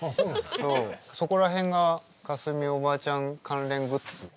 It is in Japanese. そこら辺が架純おばあちゃん関連グッズ。